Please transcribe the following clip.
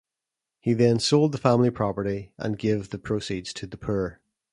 He then sold the family property and gave the proceeds to the poor.